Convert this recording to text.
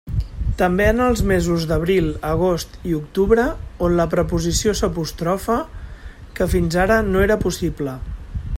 També en els mesos d'abril, agost i octubre, on la preposició s'apostrofa, que fins ara no era possible.